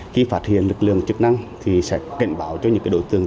khi phát hiện lực lượng chức năng thì sẽ cảnh báo cho những đối tượng